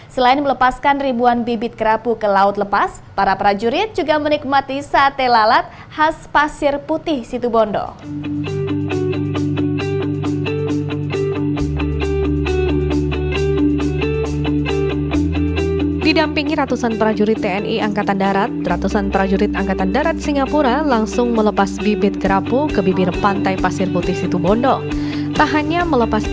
selain melepaskan ribuan bibit kerapu ke laut lepas